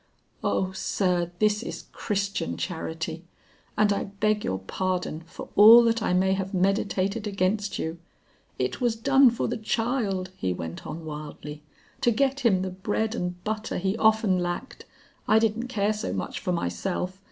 "Oh sir, this is Christian charity; and I beg your pardon for all that I may have meditated against you. It was done for the child," he went on wildly; "to get him the bread and butter he often lacked. I didn't care so much for myself.